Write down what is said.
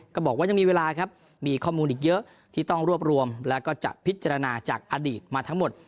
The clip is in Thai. ก็บอกว่ายังมีเวลาครับมีข้อมูลอีกเยอะที่ต้องรวบรวมแล้วก็จะพิจารณาจากอดีตมาทั้งหมด